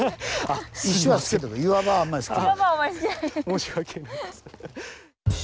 申し訳ないです。